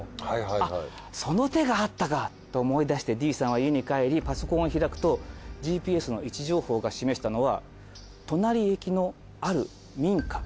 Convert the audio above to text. あっその手があったかと思い出してＤさんは家に帰りパソコンを開くとＧＰＳの位置情報が示したのは隣駅のある民家。